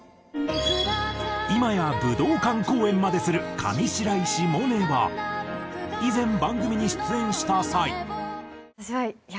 今や武道館公演までする上白石萌音が以前番組に出演した際。